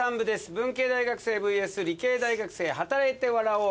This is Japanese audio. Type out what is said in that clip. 「文系大学生ｖｓ理系大学生はたらいて、笑おう。